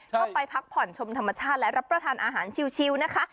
ก็ไปพักผ่อนชมธรรมชาติและรับประทานอาหารชิวนะคะ